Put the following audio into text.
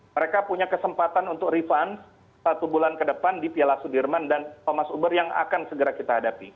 mereka punya kesempatan untuk refund satu bulan ke depan di piala sudirman dan thomas uber yang akan segera kita hadapi